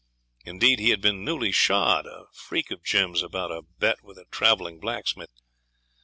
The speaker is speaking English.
Indeed, he had been newly shod, a freak of Jim's about a bet with a travelling blacksmith.